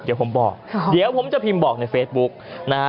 เดี๋ยวผมบอกเดี๋ยวผมจะพิมพ์บอกในเฟซบุ๊กนะฮะ